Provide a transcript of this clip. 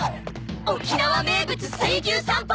沖縄名物水牛散歩！